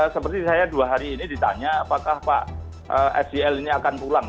seperti saya dua hari ini ditanya apakah pak sel ini akan pulang